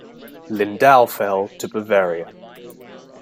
Lindau fell to Bavaria.